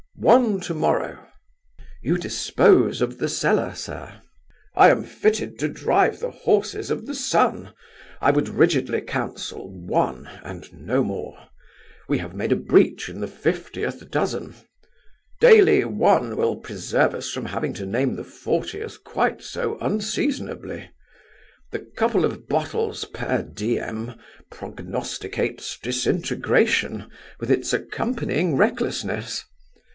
"One to morrow." "You dispose of the cellar, sir." "I am fitter to drive the horses of the sun. I would rigidly counsel, one, and no more. We have made a breach in the fiftieth dozen. Daily one will preserve us from having to name the fortieth quite so unseasonably. The couple of bottles per diem prognosticates disintegration, with its accompanying recklessness.